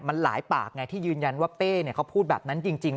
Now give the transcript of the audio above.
มันหลายปากไงที่ยืนยันว่าเป้เขาพูดแบบนั้นจริง